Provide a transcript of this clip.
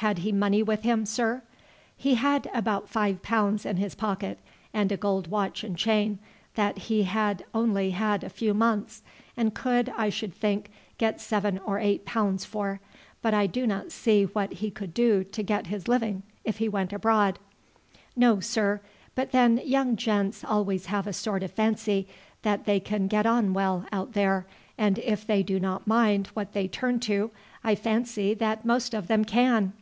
"Had he money with him, sir?" "He had about five pounds in his pocket, and a gold watch and chain that he had only had a few months, and could, I should think, get seven or eight pounds for; but I do not see what he could do to get his living if he went abroad." "No, sir; but then young gents always have a sort of fancy that they can get on well out there, and if they do not mind what they turn to I fancy that most of them can.